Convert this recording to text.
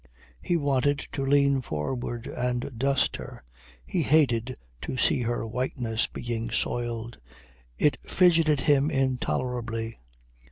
He wanted to lean forward and dust her, he hated to see her whiteness being soiled, it fidgeted him intolerably.